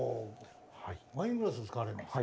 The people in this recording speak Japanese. ワイングラス使われるんですか？